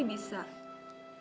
gak akan menangis